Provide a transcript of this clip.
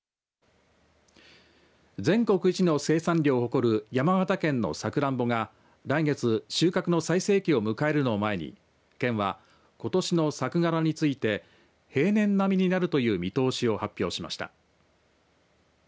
全国一の生産量を誇る山形県のさくらんぼが来月、収穫の最盛期を迎えるのを前に県は、ことしの作柄について平年並みになるという見通しを発表しました。